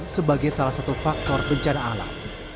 sebagai salah satu faktor pencapaian